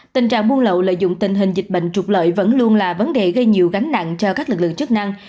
tình trạng buôn lậu lợi dụng tình hình dịch bệnh trục lợi vẫn luôn là vấn đề gây nhiều gánh nặng cho các lực lượng chức năng